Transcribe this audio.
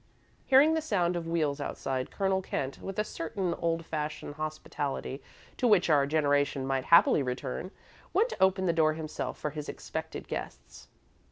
Hearing the sound of wheels outside, Colonel Kent, with a certain old fashioned hospitality to which our generation might happily return, went to open the door himself for his expected guests.